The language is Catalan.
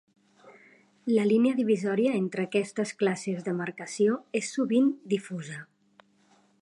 La línia divisòria entre aquestes classes de marcació és sovint difusa.